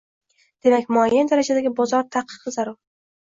— Demak, muayyan darajadagi bozor tadqiqi zarur?